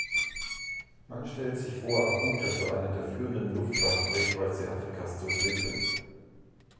Man stellt sich vor, Abuja zu einem der führenden Luftfahrt-Drehkreuze Afrikas zu entwickeln.